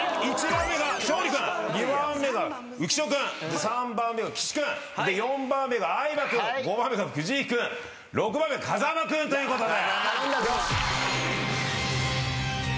１番目が勝利君２番目が浮所君３番目が岸君４番目が相葉君５番目が藤井君６番目風間君ということで。